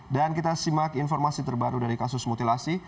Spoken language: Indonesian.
dan kita simak informasi terbaru dari kasus mutilasi